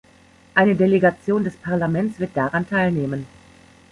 Eine Delegation des Parlaments wird daran teilnehmen.